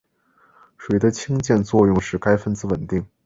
水的氢键作用使该分子稳定。